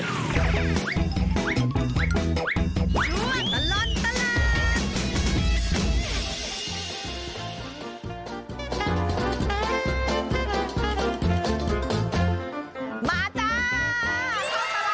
ช่วงตลอดตลาด